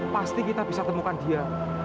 pasti kita bisa temukan dia